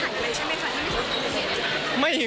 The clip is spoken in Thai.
ไม่ใช่ว่าติดเรื่องถ่ายอะไรใช่ไหมคะ